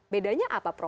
bedanya apa prof